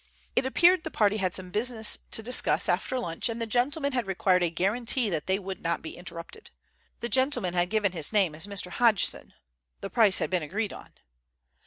It appeared the party had some business to discuss after lunch, and the gentleman had required a guarantee that they would not be interrupted. The gentleman had given his name as Mr. Hodgson. The price had been agreed on.